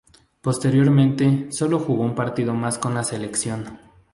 Posteriormente solo jugó un partido más con la selección.